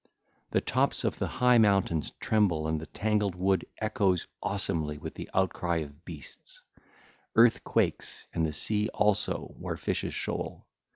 The tops of the high mountains tremble and the tangled wood echoes awesomely with the outcry of beasts: earthquakes and the sea also where fishes shoal.